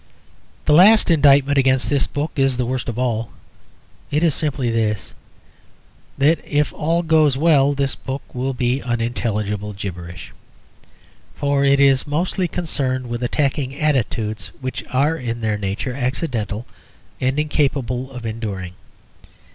The last indictment against this book is the worst of all. It is simply this: that if all goes well this book will be unintelligible gibberish. For it is mostly concerned with attacking attitudes which are in their nature accidental and incapable of enduring.